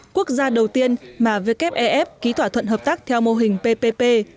quốc gia đầu tiên mà wef ký thỏa thuận hợp tác theo mô hình ppp